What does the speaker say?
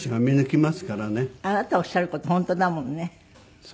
あなたおっしゃる事本当だもんね。